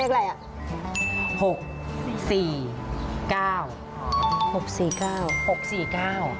เลขอะไรอ่ะ